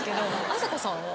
あさこさんは？